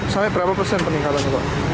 sampai berapa persen peningkatan itu